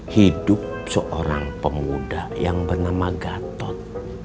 hidup seorang pemuda yang bernama gatot